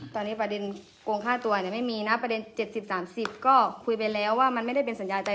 ตอนนี้ประเด็นโกงฆ่าตัวไม่มีนะประเด็น๗๐๓๐ก็คุยไปแล้วว่ามันไม่ได้เป็นสัญญาใจ